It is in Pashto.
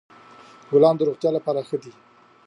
ګلان د روغتیا لپاره ښه دي.